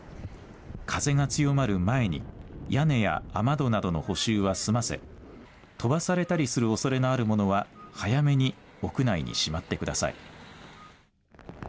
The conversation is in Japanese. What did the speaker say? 風が強まる前に屋根や雨戸などの補修は済ませ飛ばされたりするおそれのあるものは早めに屋内にしまってください。